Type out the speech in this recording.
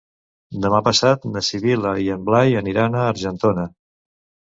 Demà passat na Sibil·la i en Blai aniran a Argentona.